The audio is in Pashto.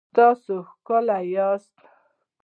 تاسو ښکلي یاست